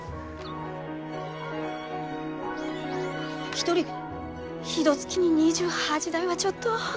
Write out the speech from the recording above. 一人ひとつきに２８台はちょっと。